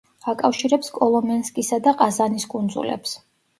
აკავშირებს კოლომენსკისა და ყაზანის კუნძულებს.